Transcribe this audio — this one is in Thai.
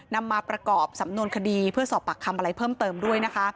นำมาประกอบสำนวนคดีเพื่อสอบปากคำอะไรเพิ่มเติมด้วยนะคะ